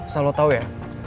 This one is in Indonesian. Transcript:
salah lo tau ya